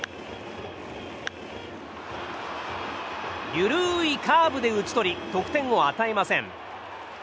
緩いカーブで打ち取り得点を与えません。